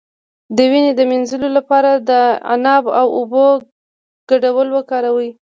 د وینې د مینځلو لپاره د عناب او اوبو ګډول وکاروئ